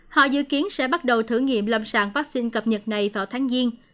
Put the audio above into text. họ dự kiến sẽ bắt đầu thử nghiệm lâm sàng vaccine cập nhật này vào tháng giêng